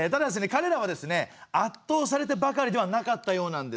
かれらはですねあっとうされてばかりではなかったようなんです。